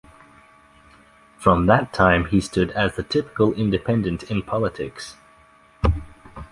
From that time he stood as the typical independent in politics.